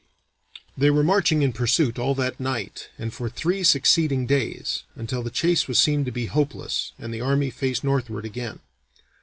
They were marching in pursuit all that night and for three succeeding days, until the chase was seen to be hopeless and the army faced northward again.